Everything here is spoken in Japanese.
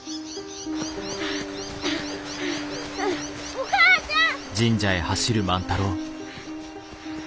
お母ちゃん！